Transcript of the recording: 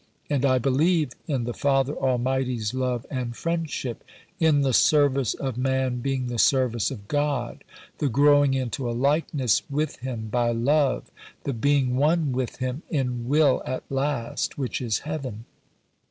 And I believe in the Father Almighty's love and friendship, in the service of man being the service of God, the growing into a likeness with Him by love, the being one with Him in will at last, which is Heaven.